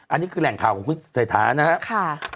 อันนี้คือแหล่งข่าวของคุณเศรษฐานะครับ